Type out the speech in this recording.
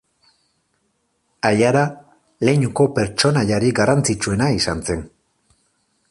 Aiara leinuko pertsonaiarik garrantzitsuena izan zen.